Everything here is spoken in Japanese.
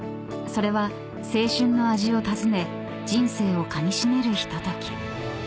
［それは青春の味を訪ね人生をかみしめるひととき］